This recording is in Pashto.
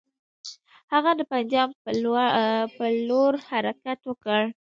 هغه د پنجاب پر لور حرکت وکړ.